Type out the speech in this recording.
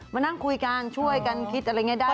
มานั่งคุยกันช่วยกันคิดอะไรอย่างนี้ได้